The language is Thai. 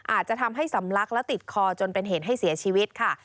อาจจะทำให้สำลักและติดคอจนเป็นเหตุให้เสียชีวิตค่ะ